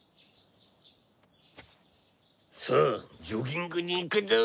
さあジョギングに行くぞ。